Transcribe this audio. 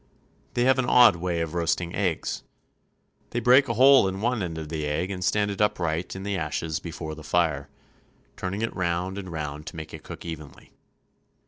They have an odd way of roasting eggs. They break a hole in one end of the egg and stand it upright in the ashes before the fire, turning it round and round to make it cook evenly.